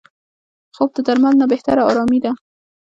خوب د درملو نه بهتره آرامي ده